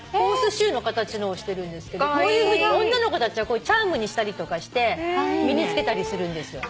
Ｈｏｒｓｅｓｈｏｅの形のをしてるんですけどこういうふうに女の子たちはチャームにしたりとかして身に着けたりするんですよ。